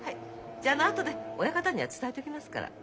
じゃあ後で親方には伝えときますから。